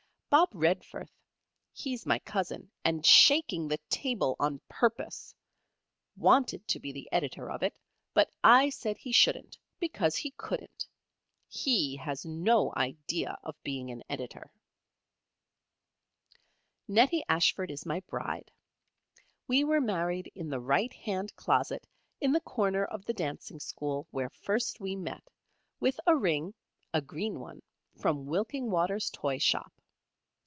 Bob Redforth (he's my cousin, and shaking the table on purpose) wanted to be the Editor of it, but I said he shouldn't because he couldn't. He has no idea of being an editor. Nettie Ashford is my Bride. We were married in the right hand closet in the corner of the dancing school where first we met, with a ring (a green one) from Wilkingwater's toy shop.